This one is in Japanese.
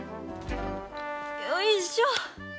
よいしょ。